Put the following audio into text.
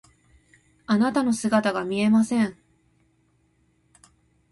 あなたの姿が見えません。